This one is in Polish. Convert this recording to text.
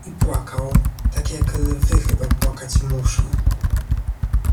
"I płakał, tak jak lwy chyba płakać muszą."